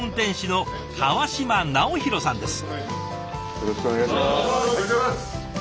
よろしくお願いします。